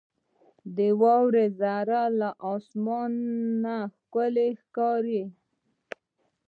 • د واورې ذرې له اسمانه ښکلي ښکاري.